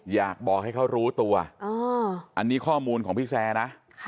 อยากบอกให้เขารู้ตัวอันนี้ข้อมูลของพี่แซร์นะ